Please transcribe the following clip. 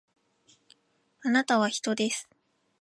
あなたは人です